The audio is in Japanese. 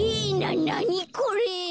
なにこれ？